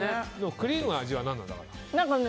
クリームの味は何なんだろう。